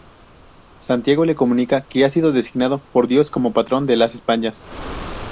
Santiago le comunica que ha sido designado por Dios como Patrón de las Españas.